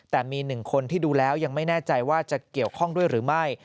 แต่มี๑คนที่ดูแล้วยังไม่แน่ใจว่าจะเกี่ยวข้องด้วยหรือไม่